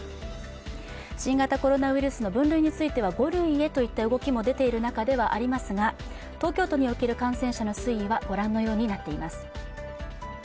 新型コロナウイルスの分類については５類へといった動きも出ている中ではありますが東京都における感染者の推移はご覧のようになっています。